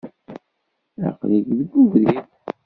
Aql-ik deg webrid.